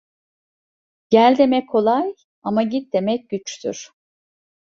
Gel demek kolay ama git demek güçtür.